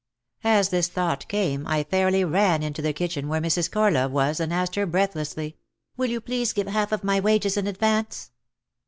As this thought came I fairly ran into the kitchen where Mrs. Corlove was and asked her breathlessly: "Will you please give half of my wages in advance?"